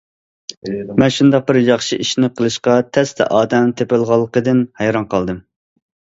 مەن شۇنداق بىر ياخشى ئىشنى قىلىشقا تەستە ئادەم تېپىلغانلىقىدىن ھەيران قالدىم.